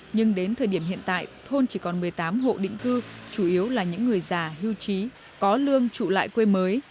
nhưng đến thời điểm hiện tại thôn chỉ còn một mươi tám hộ định cư chủ yếu là những người già hiu trí có lương trụ lại quê mới